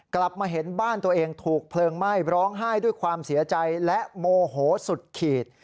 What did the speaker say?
กลับมาเห็นบ้านตัวเองถูกเพลิงไหม้ร้องไห้ด้วยความเสียใจและโมโหสุดขีด